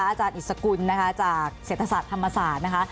อาจารย์อิสกุลนะคะจากเศรษฐศาสตร์ธรรมศาสตร์นะคะ